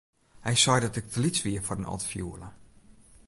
Hy sei dat ik te lyts wie foar in altfioele.